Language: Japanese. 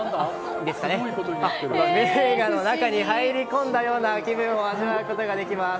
名画の中に入り込んだような気分を味わうことができます。